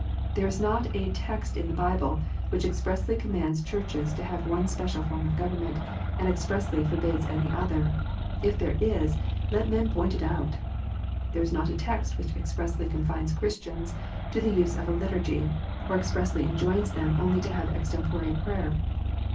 There is not a text in the Bible which expressly commands Churches to have one special form of government, and expressly forbids any other. If there is, let men point it out. There is not a text which expressly confines Christians to the use of a Liturgy, or expressly enjoins them only to have extempore prayer.